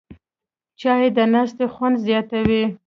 چای د ناستې خوند زیاتوي